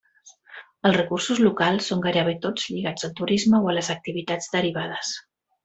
Els recursos locals són gairebé tots lligats al turisme o a les activitats derivades.